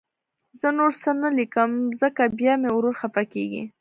زه نور څه نه لیکم، ځکه بیا مې ورور خفه کېږي